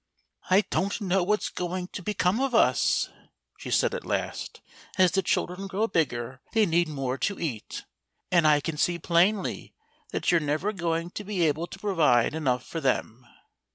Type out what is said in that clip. "I don't know what's going to become of us," she said at last. "As the children grow bigger they need more to eat. And I can see plainly that you're never going to be able to provide enough for them."